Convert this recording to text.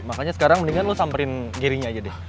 makanya sekarang mendingan lo samperin gerinya aja deh